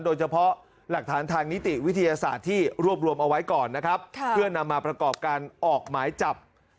โดยเฉพาะหลักฐานทางนิติวิทยาศาสตร์ที่รวบรวมเอาไว้ก่อนนะครับ